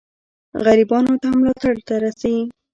غریبانو ته ملاتړ نه رسي.